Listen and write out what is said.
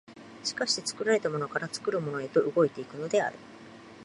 而して作られたものから作るものへと動いて行くのである。